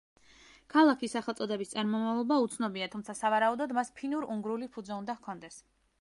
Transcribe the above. ქალაქის სახელწოდების წარმომავლობა უცნობია, თუმცა სავარაუდოდ მას ფინურ-უნგრული ფუძე უნდა ჰქონდეს.